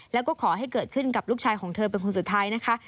แล้วก็ขอให้เกิดขึ้นกับลูกชายของเธอเป็นคนสุดท้ายนะคะ